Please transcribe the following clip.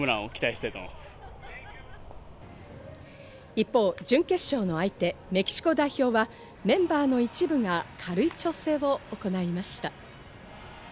一方、準決勝の相手、メキシコ代表は、メンバーの一部が軽い調整を行いました。